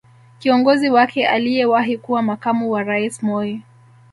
Kiongozi wake aliyewahi kuwa makamu wa rais Moi